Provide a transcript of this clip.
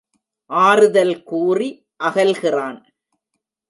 ஆறுதல் கூறி அகல்கிறான்.